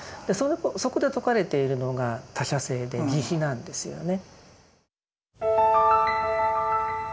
そこで説かれているのが他者性で慈悲なんですよね。